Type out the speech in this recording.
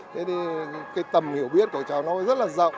thế thì cái tầm hiểu biết của cháu nó rất là rộng